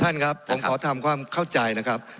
ท่านครับผมขอทำความเข้าใจนะครับ